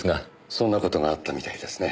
そんな事があったみたいですね。